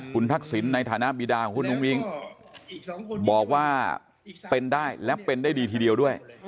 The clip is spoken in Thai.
คุณทักษิณในฐานะบีดาของคุณอุ้งอิ๊งบอกว่าเป็นได้และเป็นได้ดีทีเดียวด้วย